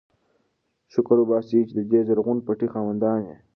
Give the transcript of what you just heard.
شکر وباسئ چې د دې زرغون پټي خاوندان یئ.